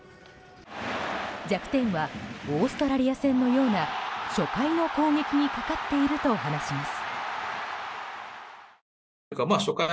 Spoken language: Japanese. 弱点はオーストラリア戦のような初回の攻撃にかかっていると話します。